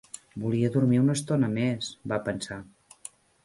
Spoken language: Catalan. Volia dormir una estona més, va pensar.